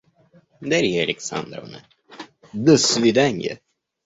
Дарья Александровна, до свиданья.